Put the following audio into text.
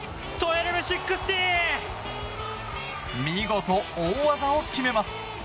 見事、大技を決めます。